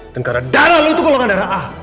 dan karena darah lu itu golongan darah a